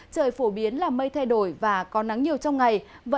trời phổ biến là mây thay đổi và có nắng nhiều trong ngày